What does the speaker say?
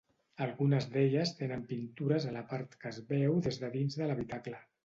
Algunes d'elles tenen pintures a la part que es veu des de dins de l'habitacle.